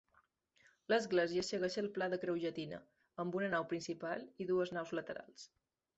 L'església segueix el pla de creu llatina, amb una nau principal i dues naus laterals.